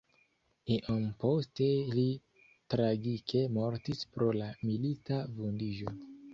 Iom poste li tragike mortis pro la milita vundiĝo.